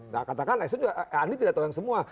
nah katakanlah sn juga andi tidak tahu yang semua